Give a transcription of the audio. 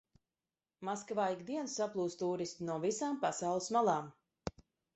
Maskavā ik dienu saplūst tūristi no visām pasaules malām.